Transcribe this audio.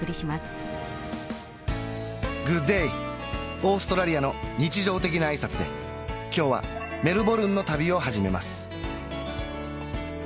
オーストラリアの日常的な挨拶で今日はメルボルンの旅を始めます